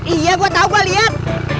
iya gua tau pak liat